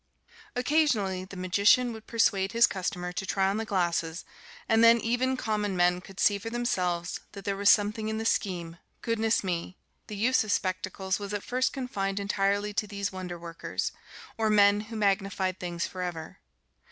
Occasionally, the magician would persuade his customer to try on the glasses, and then even common men could see for themselves that there was something in the scheme goodness me! The use of spectacles was at first confined entirely to these wonder workers or men who magnified things forever.